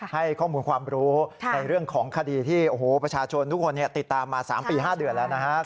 ให้ข้อมูลความรู้ในเรื่องของคดีที่โอ้โหประชาชนทุกคนติดตามมา๓ปี๕เดือนแล้วนะครับ